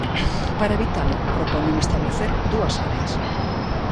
Para evitalo, propoñen establecer dúas áreas.